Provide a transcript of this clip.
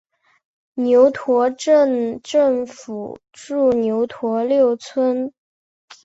牛驼镇镇政府驻牛驼六村。